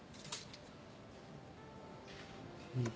うん。